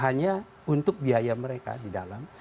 hanya untuk biaya mereka di dalam